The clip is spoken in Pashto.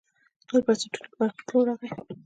نورو بنسټونو کې بدلون راغی.